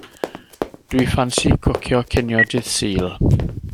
Dw i ffansi cwcio cinio dydd Sul.